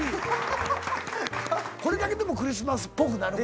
これだけでもクリスマスっぽくなるもんね。